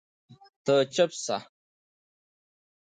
ته چپ سه